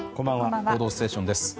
「報道ステーション」です。